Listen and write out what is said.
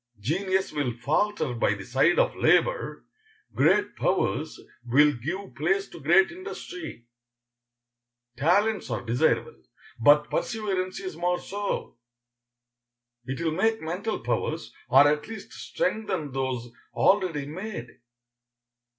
Genius will falter by the side of labor, great powers will give place to great industry. Talents are desirable, but perseverance is more so. It will make mental powers, or at least strengthen those already made.